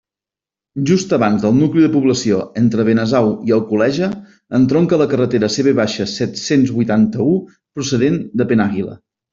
Just abans del nucli de població, entre Benasau i Alcoleja, entronca la carretera CV set-cents huitanta-u procedent de Penàguila.